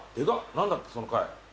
何だっけその貝。